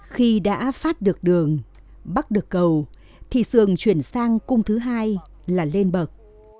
khi đã phát được đường bắt được cầu thì sườn chuyển sang cung thứ hai là lên bậc